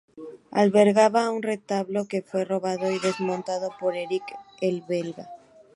Albergaba un retablo que fue robado y desmontado por Erik el Belga.